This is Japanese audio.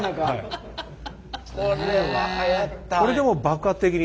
これでもう爆発的に。